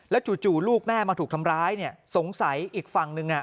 แล้วจู่ลูกแม่มาถูกทำร้ายสงสัยอีกฝั่งหนึ่ง